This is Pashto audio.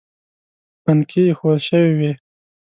پنکې ایښوول شوې وې.